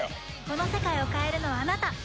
この世界を変えるのはあなた！